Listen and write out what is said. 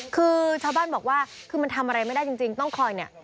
คือชาวบ้านบอกว่าคือมันทำอะไรไม่ได้จริงต้องคอยเนี่ย